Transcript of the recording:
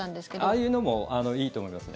ああいうのもいいと思います。